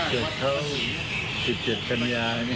มียามีเหตุธรรมนิสัยในความจริง